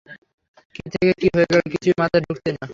কী থেকে কী হয়ে গেল কিছুই মাথায় ঢুকছে না।